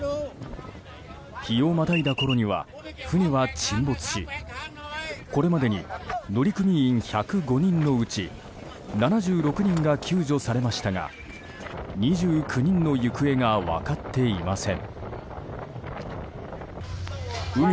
日をまたいだころには船は沈没しこれまでに乗組員１０５人のうち７６人が救助されましたが２９人の行方が分かっていません。